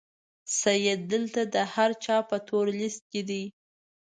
سید دلته د هر چا په تور لیست کې دی.